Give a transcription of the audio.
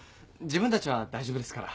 自分たちは大丈夫ですから。